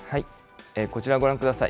こちらご覧ください。